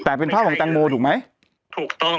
แต่เป็นภาพของแตงโมถูกไหมถูกต้อง